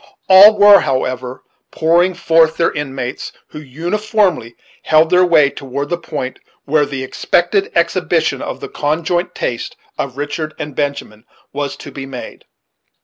All were, however, pouring forth their inmates, who uniformly held their way toward the point where the expected exhibition of the conjoint taste of Richard and Benjamin was to be made.